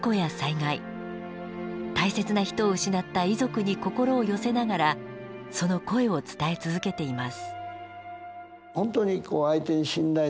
大切な人を失った遺族に心を寄せながらその声を伝え続けています。